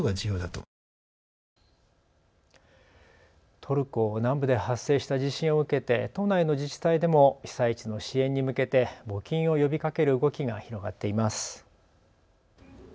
トルコ南部で発生した地震を受けて都内の自治体でも被災地の支援に向けて募金を呼びかける動きが広がっています。